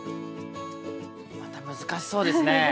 また難しそうですね。